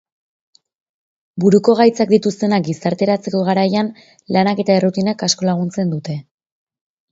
Buruko gaitzak dituztenak gizarteratzeko garaian lanak eta errutinak asko laguntzen dute.